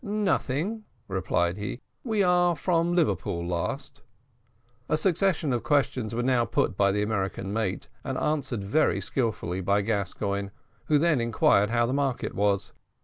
"Nothing," replied he, "we are from Liverpool last." A succession of questions was now put by the American mate, and answered very skilfully by Gascoigne, who then inquired how the market was?